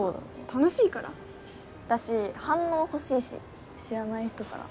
楽しいから？だし反応欲しいし知らない人から。